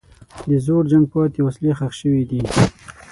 د زوړ جنګ پاتې وسلې ښخ شوي دي.